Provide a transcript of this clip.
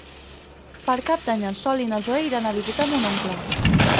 Per Cap d'Any en Sol i na Zoè iran a visitar mon oncle.